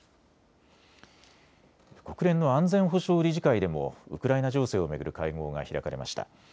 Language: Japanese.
国連の安全保障理事会でも、ウクライナ情勢を巡る会合が開かれました。